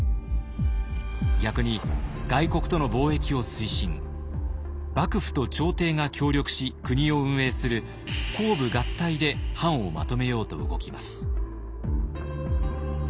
逆に外国との貿易を推進幕府と朝廷が協力し国を運営する公武合体で藩をまとめようと動きます。